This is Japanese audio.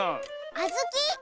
あずき。